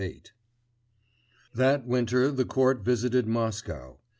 VIII That winter the court visited Moscow.